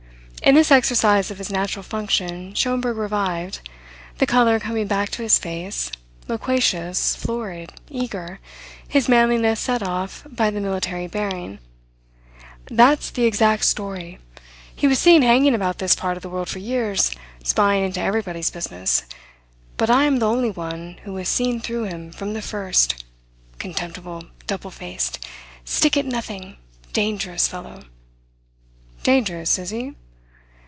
In this exercise of his natural function Schomberg revived, the colour coming back to his face, loquacious, florid, eager, his manliness set off by the military bearing. "That's the exact story. He was seen hanging about this part of the world for years, spying into everybody's business: but I am the only one who has seen through him from the first contemptible, double faced, stick at nothing, dangerous fellow." "Dangerous, is he?"